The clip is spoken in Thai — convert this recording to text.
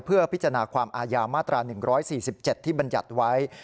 เพื่อพิจารณาความอาญามาตรา๑๔๗ที่บรรยัติไว้